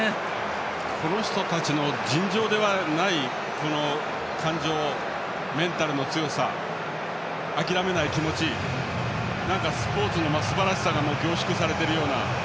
この人たちの尋常ではない感情メンタルの強さ、諦めない気持ち何か、スポーツのすばらしさが凝縮されているような。